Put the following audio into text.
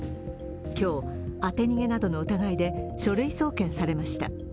今日、当て逃げなどの疑いで書類送検されました。